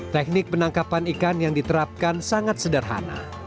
teknik penangkapan ikan yang diterapkan sangat sederhana